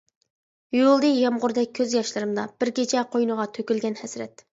يۇيۇلدى يامغۇردەك كۆز ياشلىرىمدا، بىر كېچە قوينىغا تۆكۈلگەن ھەسرەت.